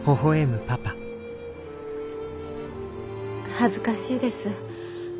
恥ずかしいです。